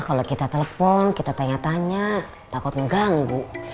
kalau kita telepon kita tanya tanya takut ngeganggu